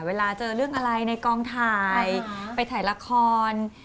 เวลาเจอเรื่องอะไรในกองถ่ายไปถ่ายละคร